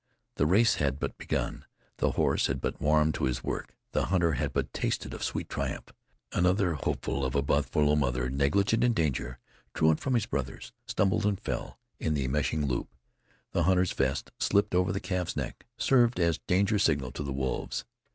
The race had but begun; the horse had but warmed to his work; the hunter had but tasted of sweet triumph. Another hopeful of a buffalo mother, negligent in danger, truant from his brothers, stumbled and fell in the enmeshing loop. The hunter's vest, slipped over the calf's neck, served as danger signal to the wolves.